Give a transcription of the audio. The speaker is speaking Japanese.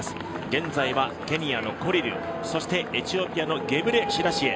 現在はケニアのコリルそしてエチオピアのゲブレシラシエ。